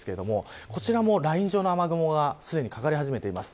こちらもすでにライン状の雨雲がかかり始めています。